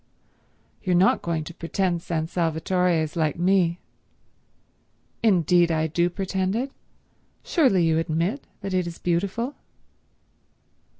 "You're not going to pretend San Salvatore is like me?" "Indeed I do pretend it. Surely you admit that it is beautiful?"